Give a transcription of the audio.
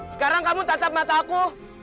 sekarang kamu tatap mata aku